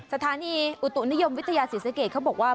สถานีอุตุนิยมวิทยาศรีสะเกดเขาบอกว่า